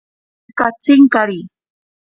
Nija katsinkari.